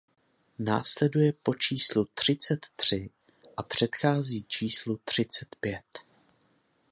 Následuje po číslu třicet tři a předchází číslu třicet pět.